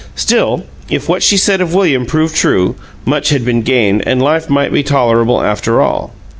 Still, if what she said of William proved true, much had been gained and life might be tolerable, after all.